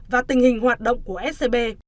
và tình hình hoạt động của scb